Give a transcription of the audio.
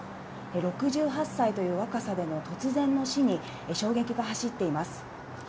６８歳という若さでの突然の死に、衝撃が走っています。